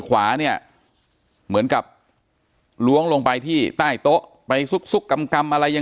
ขวาเนี่ยเหมือนกับล้วงลงไปที่ใต้โต๊ะไปซุกซุกกำอะไรยัง